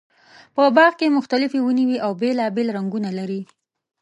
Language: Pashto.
په باغ کې مختلفې ونې وي او بېلابېل رنګونه لري.